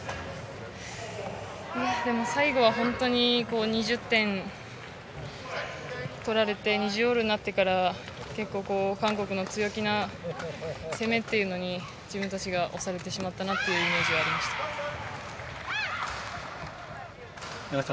でも最後は２０点取られて２０−２０になってから結構、韓国の強気な攻めというのに自分たちが押されてしまったなというイメージがありました。